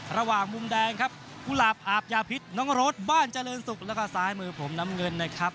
มุมแดงครับกุหลาบอาบยาพิษน้องรถบ้านเจริญศุกร์แล้วก็ซ้ายมือผมน้ำเงินนะครับ